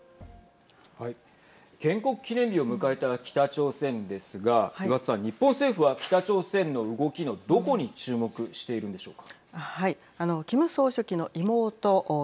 建国記念日を迎えた北朝鮮ですが岩田さん日本政府は北朝鮮の動きのどこに注目しているんでしょうか。